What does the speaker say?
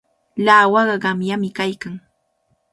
Lawaqa qamyami kaykan.